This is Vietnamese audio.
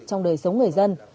trong đời sống người dân